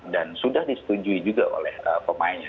dan sudah disetujui juga oleh pemainnya